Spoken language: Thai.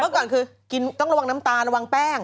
ก่อนคือกินต้องระวังน้ำตาลระวังแป้ง